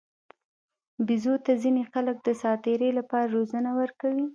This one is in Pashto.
بیزو ته ځینې خلک د ساتیرۍ لپاره روزنه ورکوي.